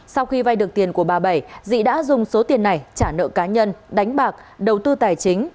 sau khi vay được tiền của bà bảy dị đã dùng số tiền này trả nợ cá nhân đánh bạc đầu tư tài chính